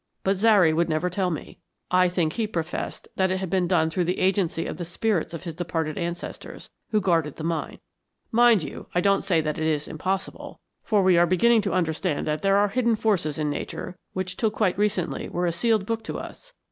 But Zary would never tell me. I think he professed that it had been done through the agency of the spirits of his departed ancestors, who guarded the mine. Mind you, I don't say that it is impossible, for we are beginning to understand that there are hidden forces in Nature which till quite recently were a sealed book to us.